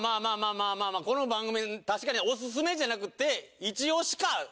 まあまあこの番組確かにオススメじゃなくって「イチ押しかっ！」